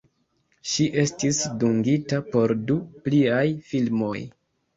Ŝi estis dungita por du pliaj filmoj.